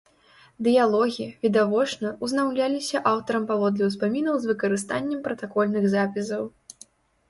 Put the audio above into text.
Дыялогі, відавочна, узнаўляліся аўтарам паводле ўспамінаў з выкарыстаннем пратакольных запісаў.